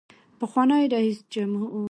پخواني جمهورریس حامدکرزي په شمول.